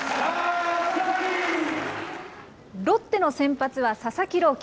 ロッテの先発は佐々木朗希。